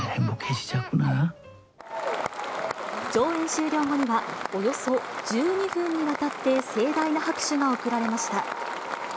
上映終了後には、およそ１２分にわたって盛大な拍手が送られました。